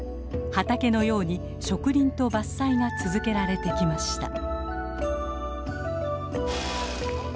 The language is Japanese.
畑のように植林と伐採が続けられてきました。